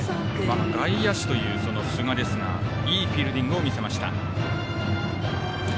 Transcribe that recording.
外野手という寿賀ですがいいフィールディングを見せました。